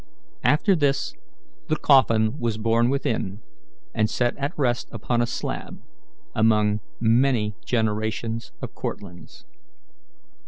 After this the coffin was borne within and set at rest upon a slab, among many generations of Cortlandts.